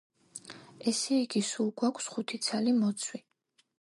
ესე იგი, სულ გვაქვს ხუთი ცალი მოცვი.